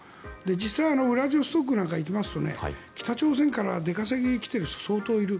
実はウラジオストクなんかに行きますと北朝鮮から出稼ぎに来ている人が相当いる。